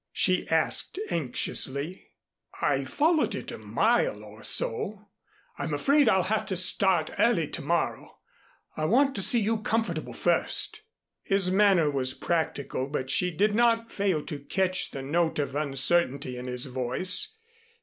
she asked anxiously. "I followed it for a mile or so. I'm afraid I'll have to start early to morrow. I want to see you comfortable first." His manner was practical, but she did not fail to catch the note of uncertainty in his voice.